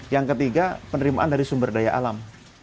yang ketiga penerimaan dari sumber daya alam